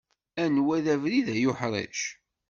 anwa i d abrid ay uḥric?